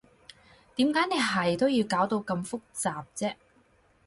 點解你係都要搞到咁複雜啫？